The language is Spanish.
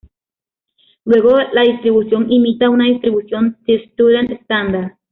Luego, la distribución imita una distribución t- student estándar.